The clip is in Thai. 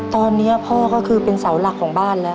ตอนนี้พ่อก็คือเป็นเสาหลักของบ้านแล้ว